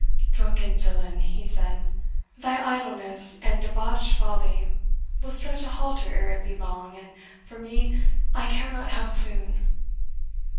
"Drunken villain," he said, "thy idleness and debauched folly will stretch a halter ere it be long, and, for me, I care not how soon!"